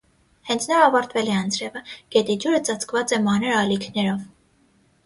Հենց նոր ավարտվել է անձրևը, գետի ջուրը ծածկված է մանր ալիքներով։